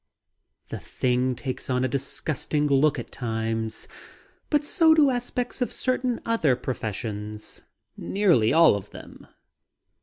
The thing takes on a disgusting look at times. But so do aspects of certain other professions nearly all of them.